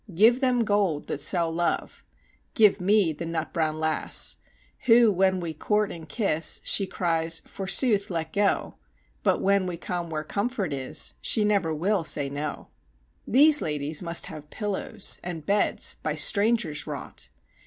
Give them gold that sell love, give me the nut brown lass, Who when we court and kiss, she cries: forsooth, let go! But when we come where comfort is, she never will say no. These ladies must have pillows and beds by strangers wrought.